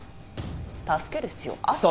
助ける必要あった？